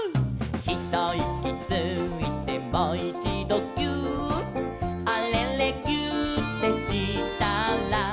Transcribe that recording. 「ひといきついてもいちどぎゅーっ」「あれれぎゅーってしたら」